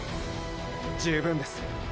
十分です。